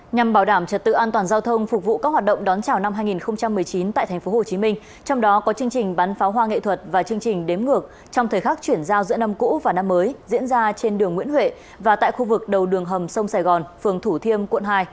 nhằm bảo đảm trật tự an toàn giao thông phục vụ các hoạt động đón chào năm hai nghìn một mươi chín tại tp hcm trong đó có chương trình bắn pháo hoa nghệ thuật và chương trình đếm ngược trong thời khắc chuyển giao giữa năm cũ và năm mới diễn ra trên đường nguyễn huệ và tại khu vực đầu đường hầm sông sài gòn phường thủ thiêm quận hai